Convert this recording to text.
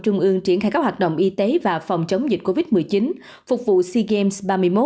trung ương triển khai các hoạt động y tế và phòng chống dịch covid một mươi chín phục vụ sea games ba mươi một